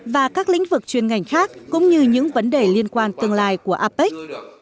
và các lĩnh vực chuyên ngành khác cũng như những vấn đề liên quan tương lai của apec